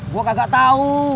gue kagak tau